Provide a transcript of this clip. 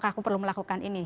aku perlu melakukan ini